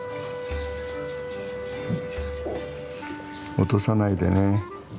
落とさないでね。